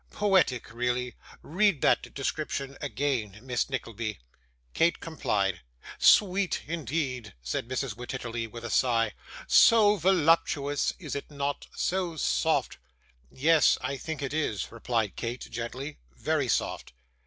'Poetic, really. Read that description again, Miss Nickleby.' Kate complied. 'Sweet, indeed!' said Mrs. Wititterly, with a sigh. 'So voluptuous, is it not so soft?' 'Yes, I think it is,' replied Kate, gently; 'very soft.